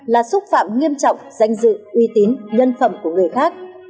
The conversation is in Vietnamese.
là xúc phạm nghiêm trọng danh dự uy tín nhân phẩm của người khác